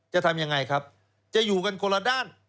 จะทำยังไงครับจะอยู่กันคนละด้าน